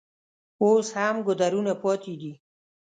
اوس هم ګودرونه پاتې دي.